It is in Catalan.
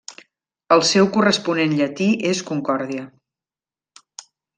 El seu corresponent llatí és Concòrdia.